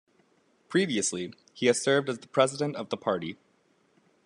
Previously, he has served as the president of the party.